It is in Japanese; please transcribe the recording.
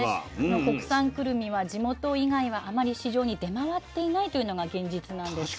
国産くるみは地元以外はあまり市場に出回っていないというのが現実なんです。